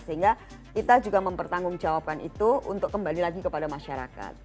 sehingga kita juga mempertanggungjawabkan itu untuk kembali lagi kepada masyarakat